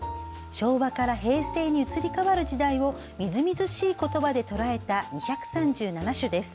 昭和から平成に移り変わる時代をみずみずしい言葉でとらえた２３７首です。